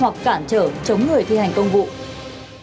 hoặc cản trở chống người thi hành công vụ